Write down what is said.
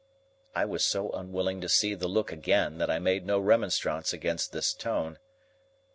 I was so unwilling to see the look again, that I made no remonstrance against this tone.